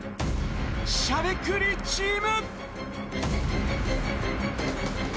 しゃべくりチーム！